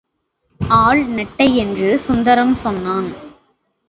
ஆள் நெட்டை என்று சுந்தரம் சொன்னான்.